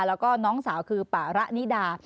แล้วก็น้องสาวคือป่าระนิดา